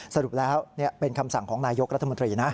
สรุปแล้วเป็นคำสั่งของนายกรัฐมนตรีนะ